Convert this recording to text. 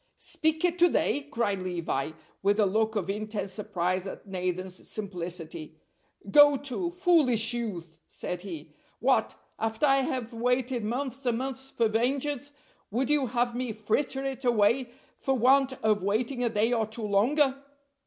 "Speak it to day!" cried Levi, with a look of intense surprise at Nathan's simplicity. "Go to, foolish youth!" said he; "what, after I have waited months and months for vengeance, would you have me fritter it away for want of waiting a day or two longer?